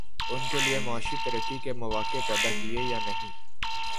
ان کے لیے معاشی ترقی کے مواقع پیدا کیے یا نہیں؟